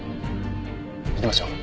行きましょう。